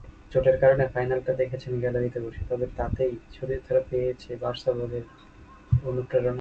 চোটের কারণে ফাইনালটা দেখেছেন গ্যালারিতে বসে, তবে তাতেই সতীর্থরা পেয়েছে বার্সা-বধের অনুপ্রেরণা।